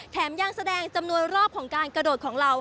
ยังแสดงจำนวนรอบของการกระโดดของเรา